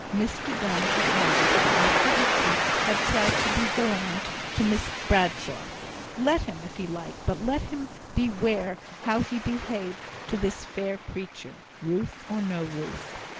Mr Donne had noticed that Mr Hickson had tried to be gallant to Miss Bradshaw; let him, if he liked; but let him beware how he behaved to this fair creature, Ruth or no Ruth.